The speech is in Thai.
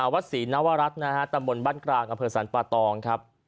วัดศรีณวรรรทธมบลบ้านกลางอเภอสรรปะตองครับ